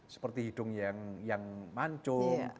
seperti hidung yang mancung